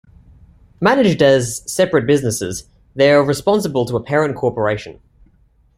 Managed as separate businesses, they are responsible to a parent corporation.